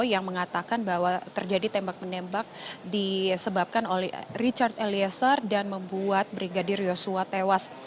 yang mengatakan bahwa terjadi tembak menembak disebabkan oleh richard eliezer dan membuat brigadir yosua tewas